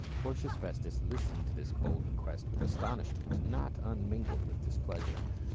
Porcius Festus listened to this bold request with astonishment not unmingled with displeasure.